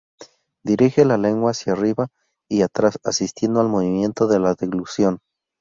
Dirige la lengua hacia arriba y atrás asistiendo al movimiento de la deglución.